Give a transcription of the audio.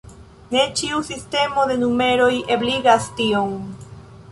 Ne ĉiu sistemo de numeroj ebligas tiun.